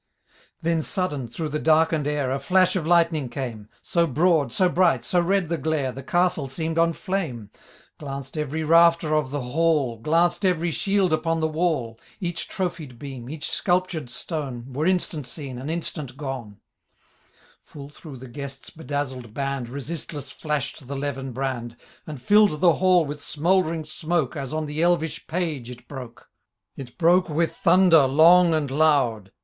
Then sudden, through the darkened air A flash of lightning came ; So broad, so bright, so red the glare. The castle seem*d on flame. Glanced every rafter of the hall. Glanced every shield upon the wall ; Each trophied beam, each sculptured stone. Were instant seen, and instant gone ; Full through the guests* bedazzled band Resistless flashed the levin brand. And filled the hall with smouldering smoke> As on the elvish page it broke. It broke, with thunder long and loud.